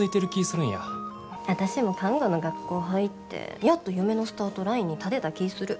私も看護の学校入ってやっと夢のスタートラインに立てた気ぃする。